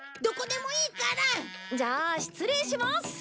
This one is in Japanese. どこでもいいから！じゃあ失礼します！